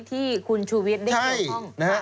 ที่คุณชูเวียดได้เข้าห้อง